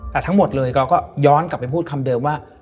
แต่ทั้งหมดเลยเราก็ย้อนกลับไปพูดคำเดิมว่า